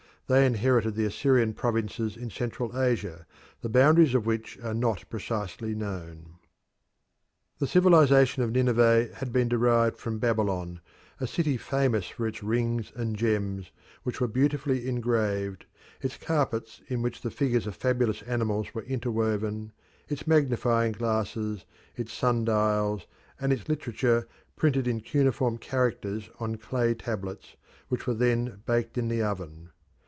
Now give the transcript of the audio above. They inherited the Assyrian provinces in Central Asia, the boundaries of which are not precisely known. The civilisation of Nineveh had been derived from Babylon, a city famous for its rings and gems, which were beautifully engraved, its carpets in which the figures of fabulous animals were interwoven, its magnifying glasses, its sun dials, and its literature printed in cuneiform characters on clay tablets, which were then baked in the oven.